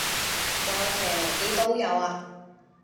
再騎呢啲都有啊